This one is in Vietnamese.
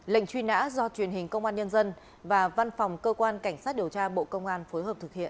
lệnh truy nã do truyền hình công an nhân dân và văn phòng cơ quan cảnh sát điều tra bộ công an phối hợp thực hiện